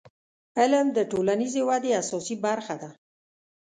• علم د ټولنیزې ودې اساسي برخه ده.